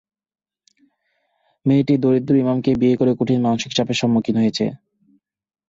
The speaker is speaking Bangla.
মেয়েটি দরিদ্র ইমামকে বিয়ে করে কঠিন মানসিক চাপের সম্মুখীন হয়েছে।